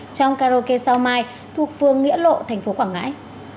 trong karaoke sao mai thuộc phương nghĩa lộ tp quảng ngãi